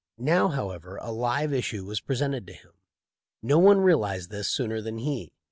Now, however, a live issue was presented to him. No one realized this sooner than he.